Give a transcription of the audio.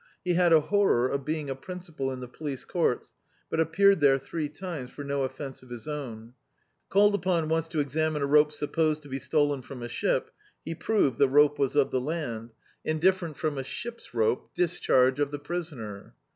He had a honor of being a principal in the police courts, but appeared there three times for no offence of his own. Called upon once to ex amine a rope supposed to be stolen fr<»n a ship he proved the rope was of the land, and different fnxn [I9l D,i.,.db, Google The Autobiography of a Super Tramp a ship's rope — discharge of the prisoner.